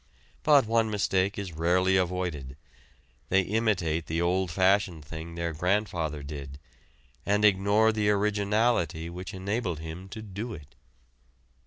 But one mistake is rarely avoided: they imitate the old fashioned thing their grandfather did, and ignore the originality which enabled him to do it.